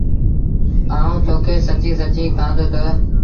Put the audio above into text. آئوٚنٚ تو کي سچيٚݩ سچيٚݩ ڪهآندو تا